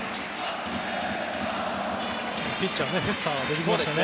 ピッチャーフェスタが出てきましたね。